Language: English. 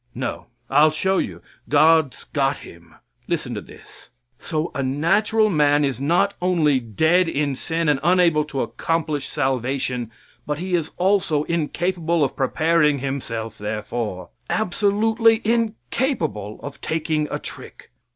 No, I'll show you, God's got him. Listen to this. [Reads extracts.] So that a natural man is not only dead in sin and unable to accomplish salvation, but he is also incapable of preparing himself therefore. Absolutely incapable of taking a trick.